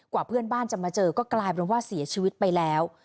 เพื่อนบ้านจะมาเจอก็กลายเป็นว่าเสียชีวิตไปแล้ว